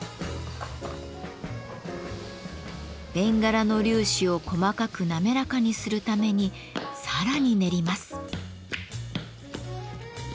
ベンガラの粒子を細かく滑らかにするためにさらに練ります。